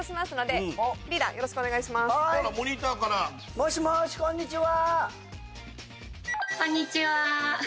もしもし、こんにちは。